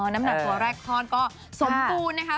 น้ำหนักตัวแรกคลอดก็สมบูรณ์นะคะ